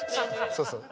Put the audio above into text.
そうそう